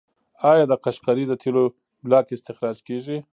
آیا د قشقري د تیلو بلاک استخراج کیږي؟